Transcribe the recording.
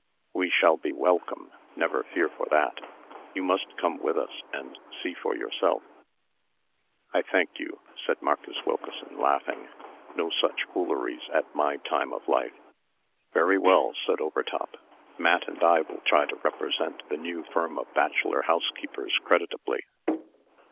We shall be welcome; never fear for that. You must come with us, and see for yourself." "I thank you," said Marcus Wilkeson, laughing. "No such fooleries at my time of life." "Very well," said Overtop. "Matt and I will try to represent the new firm of bachelor housekeepers creditably.